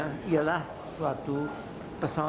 ini ada pahliat bermesin dua